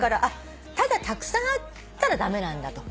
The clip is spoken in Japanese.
ただたくさんあったら駄目なんだと。